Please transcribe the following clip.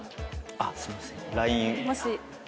あっすいません。